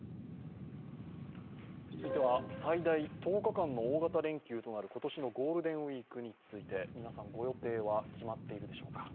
続いては最大１０日間の大型連休となる今年のゴールデンウイークについて皆さん、ご予定は決まっているでしょうか。